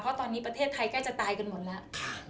เพราะตอนนี้ประเทศไทยใกล้จะตายกันหมดแล้ว